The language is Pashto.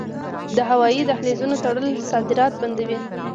د هوایی دهلیزونو تړل صادرات بندوي.